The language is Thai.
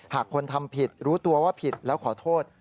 หากคนทำผิดรู้ตัวว่าผิดแล้วขอโทษ